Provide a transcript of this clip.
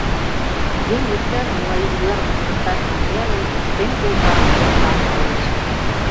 Еҥ иктаж-могай ӱзгарым ыштыкташ намия гын, ыштен колта, оксам налеш.